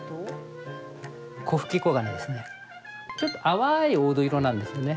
ちょっと淡い黄土色なんですよね。